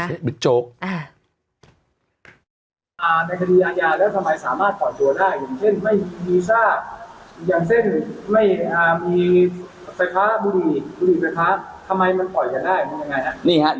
แล้วทำไมสามารถปล่อยตัวได้อย่างเช่นไม่มีซากอย่างเช่นไม่มีไฟฟ้าบุหรี่บุหรี่ไฟฟ้าทำไมมันปล่อยกันได้มันยังไงครับ